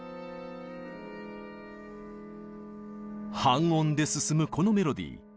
半音で進むこのメロディー。